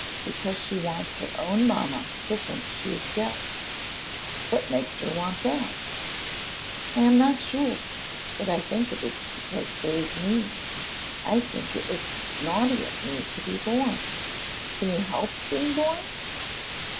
"Because she wants her own mamma to think she is dead." "What makes her want that?" "I am not sure, but I think it is because there is me. I think it was naughty of me to be born. Can you help being born?"